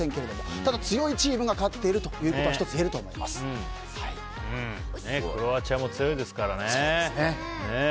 ただ、強いチームが勝っているとクロアチアも強いですからね。